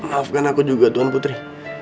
maafkan aku juga tuan putri